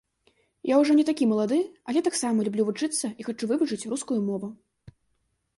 Я ўжо не такі малады, але таксама люблю вучыцца і хачу вывучыць рускую мову.